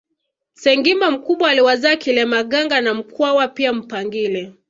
Sengimba mkubwa aliwazaa Kilemaganga na Mkwawa pia Mpangile